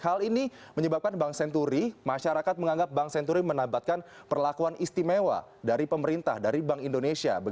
hal ini menyebabkan bank senturi masyarakat menganggap bank senturi menambatkan perlakuan istimewa dari pemerintah dari bank indonesia